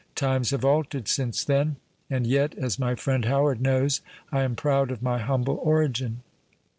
Times have altered since then. And yet, as my friend Howard knows, I am proud of my humble origin."